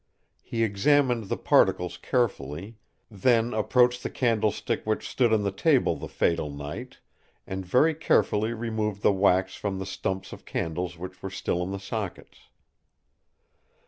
He examined the particles carefully, then approached the candlestick which stood on the table the fatal night, and very carefully removed the wax from the stumps of candles which were still in the sockets.